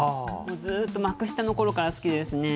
ずっと幕下のころから好きですね。